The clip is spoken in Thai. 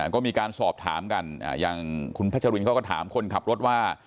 ก็มีการสอบถามกันอย่างคุณพัชรินเขาก็ถามคนขับรถว่า